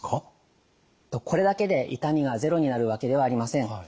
これだけで痛みがゼロになるわけではありません。